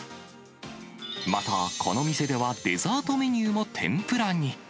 また、この店ではデザートメニューも天ぷらに。